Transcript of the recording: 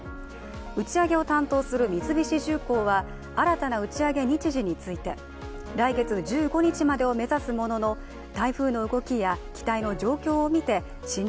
打ち上げを担当する三菱重工は新たな打ち上げ日時について、来月１５日までを目指すものの母が恋をした。